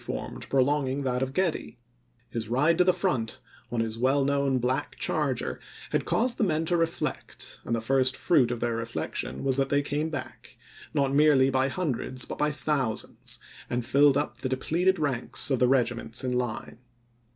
formed prolonging that of Getty ; his ride to the front on his well known black charger had caused the men to reflect, and the first fruit of their reflec tion was that they came back — not merely by hundreds but by thousands1 — and filled up the de pleted ranks of the regiments in line.